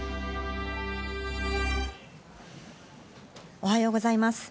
おはようございます。